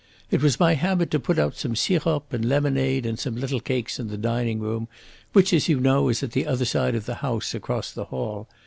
It was my habit to put out some sirop and lemonade and some little cakes in the dining room, which, as you know, is at the other side of the house across the hall.